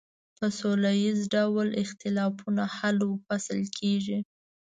په سوله ایز ډول اختلافونه حل و فصل کیږي.